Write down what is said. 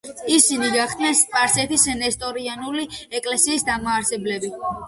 ისინი გახდნენ სპარსეთის ნესტორიანული ეკლესიის დამაარსებლები.